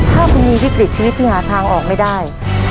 ถ้าคุณมีวิกฤตชีวิตที่หาทางออกไม่ได้